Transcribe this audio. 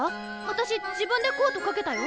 私自分でコートかけたよ。